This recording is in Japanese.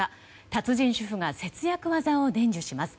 達人主婦が節約技を伝授します。